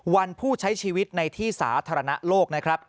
วันผู้ใช้ชีวิตในที่สาธารณะโลก